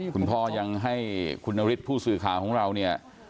คุณพ่อยังให้คุณนฤทธิ์ผู้สื่อข่าวของเราเนี่ย